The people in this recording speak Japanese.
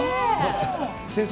先生。